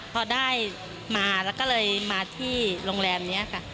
พอได้มาแล้วก็เลยมาที่โรงแรมนี้ค่ะ